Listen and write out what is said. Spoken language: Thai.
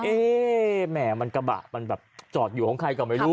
แหม่มันกระบะมันแบบจอดอยู่ของใครก็ไม่รู้